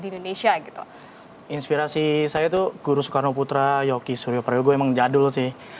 indonesia gitu inspirasi saya itu guru soekarno putra yoki suryaparayu gue emang jadul sih